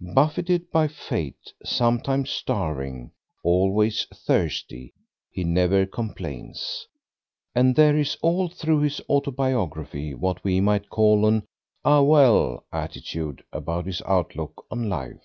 Buffeted by Fate, sometimes starving, always thirsty, he never complains; and there is all through his autobiography what we might call an "Ah, well!" attitude about his outlook on life.